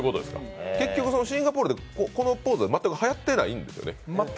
結局、シンガポールではこのポーズは全くはやってないんですね。